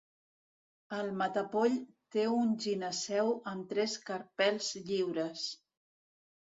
El matapoll té un gineceu amb tres carpels lliures.